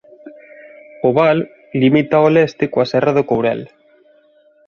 O Val limita ao leste coa Serra do Courel.